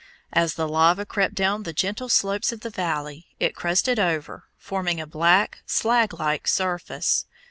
As the lava crept down the gentle slopes of the valley, it crusted over, forming a black, slag like surface.